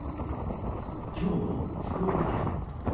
今日の福岡県。